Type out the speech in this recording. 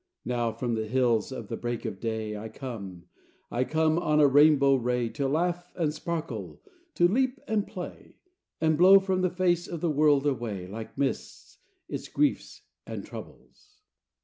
Now from the Hills of the Break of Day I come, I come, on a rainbow ray, To laugh and sparkle, to leap and play, And blow from the face of the world away, Like mists, its griefs and troubles."